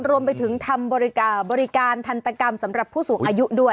รวมไปถึงทำบริการทันตกรรมสำหรับผู้สูงอายุด้วย